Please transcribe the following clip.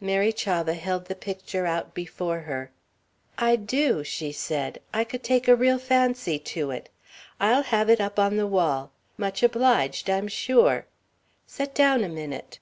Mary Chavah held the picture out before her. "I do," she said; "I could take a real fancy to it. I'll have it up on the wall. Much obliged, I'm sure. Set down a minute."